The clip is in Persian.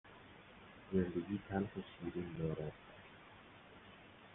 زندگی تلخ و شیرین دارد.